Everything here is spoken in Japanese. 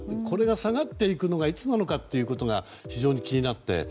これが下がっていくのがいつのなのかということが非常に気になって。